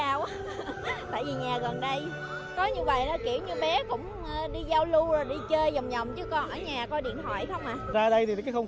tại vì nhà gần đây có như vậy đó kiểu như bé cũng đi giao lưu rồi đi chơi vòng dòng chứ con ở nhà coi điện thoại không à